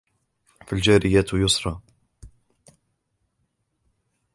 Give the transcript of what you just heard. فَالْجَارِيَاتِ يُسْرًا